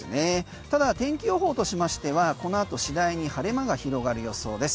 ただ、天気予報としましてはこのあと次第に晴れ間が広がる予想です。